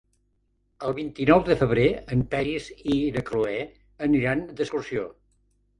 El vint-i-nou de febrer en Peris i na Cloè aniran d'excursió.